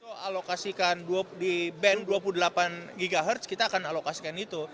kita alokasikan di band dua puluh delapan ghz kita akan alokasikan itu